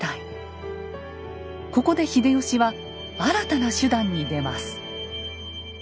ここで秀吉は新たな手段に出ます。